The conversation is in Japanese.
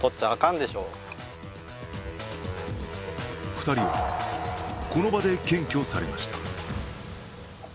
２人は、この場で検挙されました。